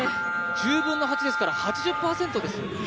１０分の８ですから８０％です。